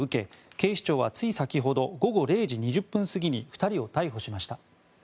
警視庁はつい先ほど午後０時２０分過ぎに２人を逮捕しました。